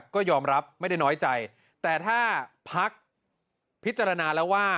ก็ยอมรับไม่ได้น้อยใจแต่ถ้าพักพิจารณาแล้วว่า